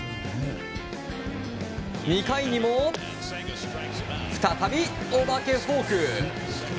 ２回にも再び、お化けフォーク！